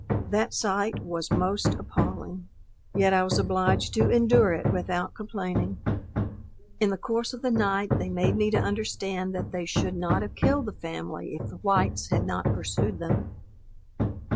That sight was most appaling; yet, I was obliged to endure it without complaining. In the course of the night they made me to understand that they should not have killed the family if the whites had not pursued them.